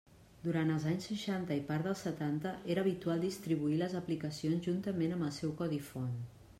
Durant els anys seixanta i part dels setanta era habitual distribuir les aplicacions juntament amb el seu codi font.